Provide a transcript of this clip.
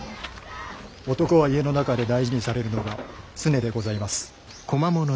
男は家の中で大事にされるのが常でございます。